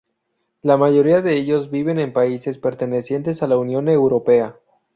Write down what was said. La mayoría de ellos vive en países pertenecientes a la Unión Europea.